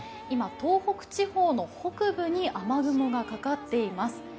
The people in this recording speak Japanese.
今東北地方の北部に雨雲がかかっています。